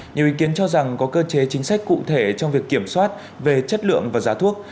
nhiều ý kiến cho rằng có cơ chế chính sách cụ thể trong việc kiểm soát về chất lượng và giá thuốc